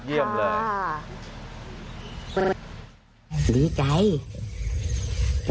เยี่ยมเลย